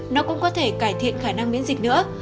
nó cũng có thể cải thiện khả năng miễn dịch nữa